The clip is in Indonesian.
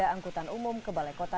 angkutan umum ke balai kota